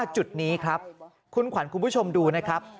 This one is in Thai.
จุดนี้ครับคุณขวัญคุณผู้ชมดูนะครับ